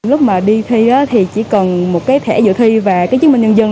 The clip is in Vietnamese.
lúc mà đi thi thì chỉ cần một cái thẻ dự thi và cái chứng minh nhân dân